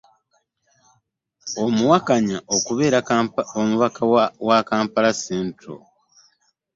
Amuwakanya okubeera omubaka wa Kampala Central.